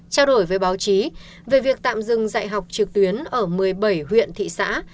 trao đổi với báo chí về việc tạm dừng dạy học trực tuyến ở một mươi bảy huyện thị xã